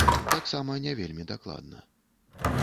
Таксама не вельмі дакладна.